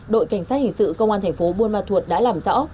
đội cảnh sát hình sự công an thành phố buôn ma thuột đã làm rõ